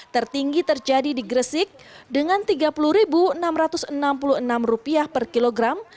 tertinggi terjadi di gresik dengan rp tiga puluh enam ratus enam puluh enam per kilogram